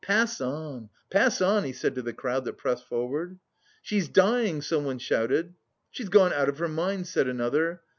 "Pass on! Pass on!" he said to the crowd that pressed forward. "She's dying," someone shouted. "She's gone out of her mind," said another.